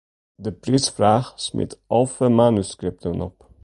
De priisfraach smiet alve manuskripten op.